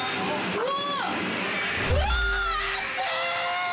うわ！